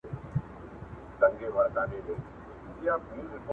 هغه کس سره مې تماس وکړ